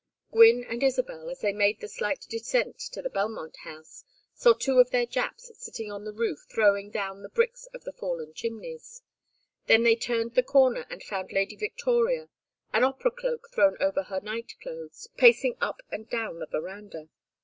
Gwynne and Isabel, as they made the slight descent to the Belmont House, saw two of their Japs sitting on the roof throwing down the bricks of the fallen chimneys. Then they turned the corner and found Lady Victoria, an opera cloak thrown over her night clothes, pacing up and down the veranda.